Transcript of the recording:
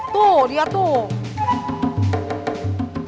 tuh dia tuh